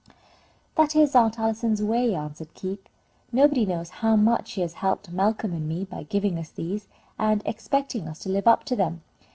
"That is Aunt Allison's way," answered Keith. "Nobody knows how much she has helped Malcolm and me by giving us these, and expecting us to live up to them."